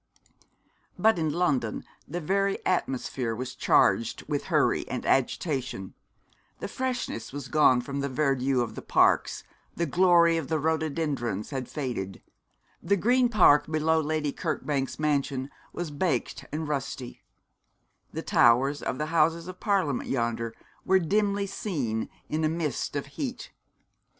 But in London the very atmosphere was charged with hurry and agitation; the freshness was gone from the verdure of the parks; the glory of the rhododendrons had faded; the Green Park below Lady Kirkbank's mansion was baked and rusty; the towers of the Houses of Parliament yonder were dimly seen in a mist of heat.